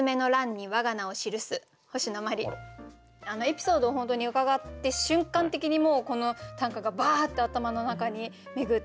エピソードを本当に伺って瞬間的にもうこの短歌がバーッて頭の中に巡って。